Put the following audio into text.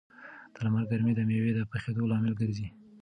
د لمر ګرمي د مېوو د پخېدو لامل ګرځي.